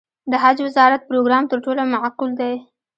د حج وزارت پروګرام تر ټولو معقول دی.